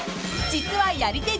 ［実はやり手